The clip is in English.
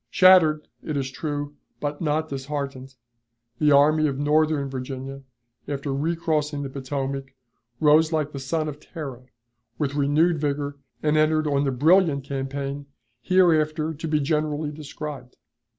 Shattered, it is true, but not disheartened, the Army of Northern Virginia after recrossing the Potomac rose like the son of Terra, with renewed vigor, and entered on the brilliant campaign hereafter to be generally described.